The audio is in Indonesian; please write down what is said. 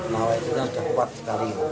nah waktunya udah kuat sekali